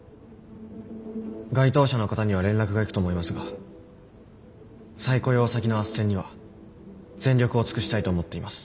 該当者の方には連絡がいくと思いますが再雇用先のあっせんには全力を尽くしたいと思っています。